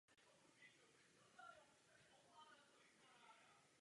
Právě ten je v kulturních zemích považován za rozhodující.